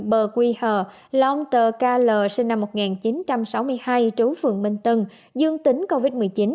bờ quy hờ long tờ k l sinh năm một nghìn chín trăm sáu mươi hai trú phường minh tân dương tính covid một mươi chín